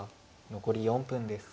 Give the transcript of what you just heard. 残り４分です。